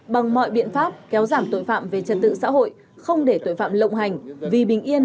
bằng mọi biện pháp kéo giảm tội phạm về trật tự xã hội không để tội phạm lộng hành vì bình yên